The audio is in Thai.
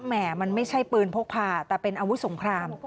แห่มันไม่ใช่ปืนพกพาแต่เป็นอาวุธสงคราม